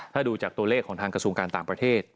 ถ้าดูจากตัวเลขของทางกระทรวงการต่างประเทศ